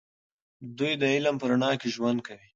دوی د علم په رڼا کې ژوند کوي.